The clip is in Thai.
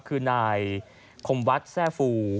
คือนายขมวัสซ่าฟู